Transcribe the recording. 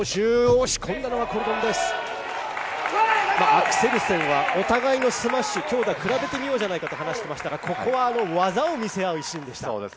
押し込んだのはコルドンです、アクセルセンはお互いのスマッシュ、強打を比べてみようじゃないかと話していましたが、ここは技を見せ合うシーンでした。